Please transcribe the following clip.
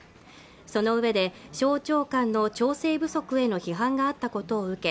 そのうえで省庁間の調整不足への批判があったことを受け